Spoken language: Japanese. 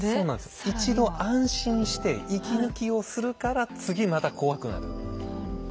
一度安心して息抜きをするから次また怖くなる。